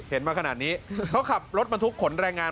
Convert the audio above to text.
เห็นมาขนาดนี้เขาขับรถมาทุกขนแรงงาน